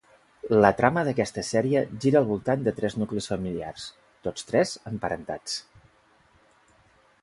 La trama d'aquesta sèrie gira al voltant de tres nuclis familiars, tots tres emparentats.